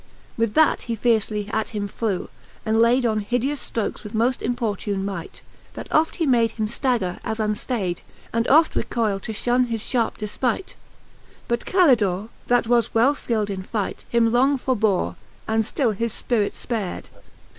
XX. With that he fiercely at him flew, and layd On hideous ftrokes with moft importune might, That oft he made him ftagger as unftayd, And oft recuile, to Ihunne his (liarpe defpight. But Calidore^ that was well Ikild in fight. Him long forbore, and ftill his Ipirite ipar'd.